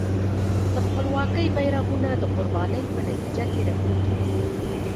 د خپلواکۍ بېرغونه د قربانۍ په نتیجه کې رپېږي.